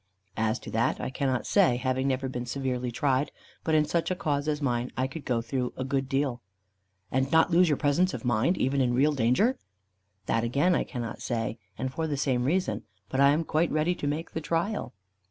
"As to that, I cannot say, having never been severely tried; but in such a cause as mine, I could go through a good deal." "And not lose your presence of mind, even in real danger?" "That again I cannot say, and for the same reason. But I am quite ready to make the trial."